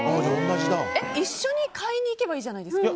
一緒に買いに行けばいいじゃないですか。